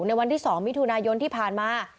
ในวันที่สองมีดทุนายนที่ผ่านมา